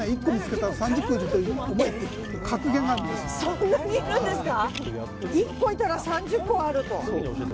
そんなにいるんですか？